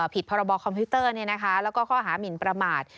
ผิดพรบคอมพิวเตอร์และข้อหามินประมาท